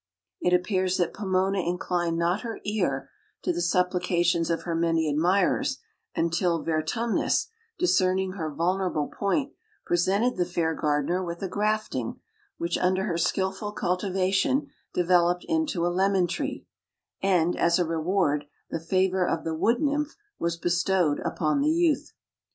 It appears that Pomona inclined not her ear to the supplications of her many admirers until Vertumnus, discerning her vulnerable point, presented the fair gardener with a grafting, which, under her skillful cultivation, developed into a lemon tree, and, as a reward, the favor of the wood nymph was bestowed upon the youth.